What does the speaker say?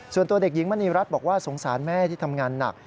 ส่วนตัวเด็กหญิงมณีรัฐบอกว่าสงสารแม่ที่ทำงานหนัก